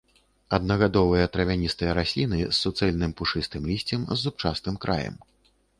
Аднагадовыя травяністыя расліны з суцэльным пушыстым лісцем з зубчастым краем.